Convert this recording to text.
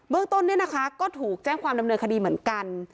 เรื่องต้นเนี่ยนะคะก็ถูกแจ้งความดำเนินคดีเหมือนกัน